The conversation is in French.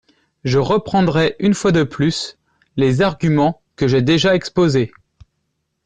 Je reprendrai, une fois de plus, les arguments que j’ai déjà exposés.